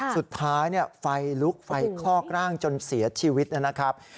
สุดท้ายไฟลุกไฟคลอกร่างจนเสียชีวิตนะครับ